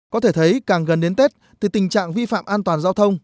có thể thấy càng gần đến tết thì tình trạng vi phạm an toàn giao thông